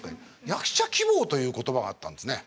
「役者希望」という言葉があったんですね。